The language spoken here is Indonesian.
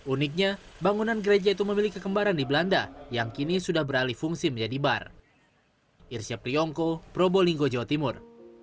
uniknya bangunan gereja itu memiliki kekembaran di belanda yang kini sudah beralih fungsi menjadi bar